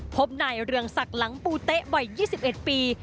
พบนายเรืองศักดิ์หลังปูเต๊ะวัย๒๑ปี